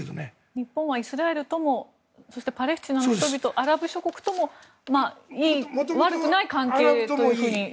日本はイスラエルともそしてパレスチナの人々アラブ諸国とも悪くない関係といわれています。